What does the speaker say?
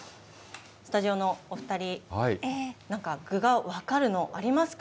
スタジオのお２人、なんか、具が分かるのありますか